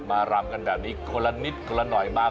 รำกันแบบนี้คนละนิดคนละหน่อยมา